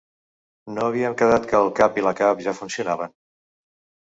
No havíem quedat que el cap i la cap ja funcionaven?